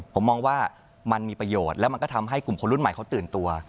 ผมมองว่ามันมีประโยชน์แล้วมันก็ทำให้กลุ่มคนรุ่นใหม่เขาตื่นตัว